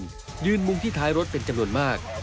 ชาวบ้านยืนมุงที่ท้ายรถเป็นจำหน่วนมาก